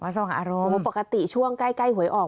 ส่องอารมณ์ปกติช่วงใกล้หวยออก